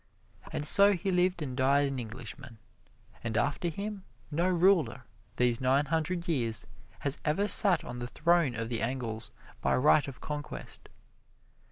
And so he lived and died an Englishman; and after him no ruler, these nine hundred years, has ever sat on the throne of the Engles by right of conquest.